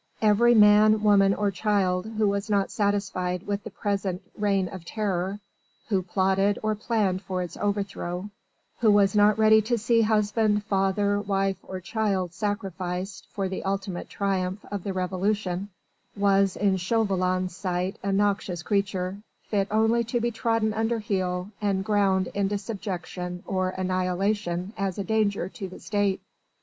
Every man, woman or child who was not satisfied with the present Reign of Terror, who plotted or planned for its overthrow, who was not ready to see husband, father, wife or child sacrificed for the ultimate triumph of the Revolution was in Chauvelin's sight a noxious creature, fit only to be trodden under heel and ground into subjection or annihilation as a danger to the State.